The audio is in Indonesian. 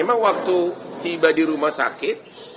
memang waktu tiba di rumah sakit